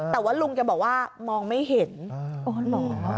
แต่ว่าลุงแกบอกว่ามองไม่เห็นอ๋อเหรอ